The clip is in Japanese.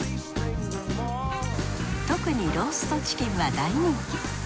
特にローストチキンは大人気。